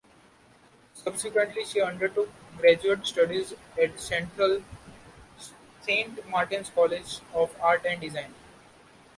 Subsequently she undertook graduate studies at Central Saint Martins College of Art and Design.